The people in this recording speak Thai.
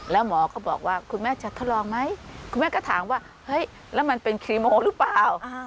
แล้วหมอก็บอกว่าคุณแม่จะทดลองไหมคุณแม่ก็ถามว่าเฮ้ยแล้วมันเป็นครีโมหรือเปล่า